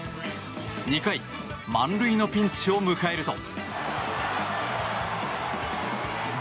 ２回満塁のピンチを迎えると。